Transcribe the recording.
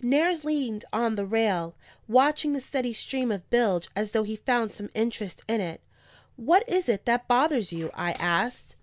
Nares leaned on the rail, watching the steady stream of bilge as though he found some interest in it. "What is it that bothers you?" I asked.